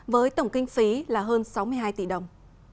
với tổng kinh phí là hơn sáu mươi hai tỷ đồng